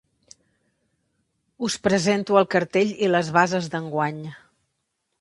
Us presento el cartell i les bases d'enguany.